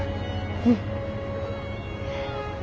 うん。